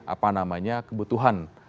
apa namanya kebutuhan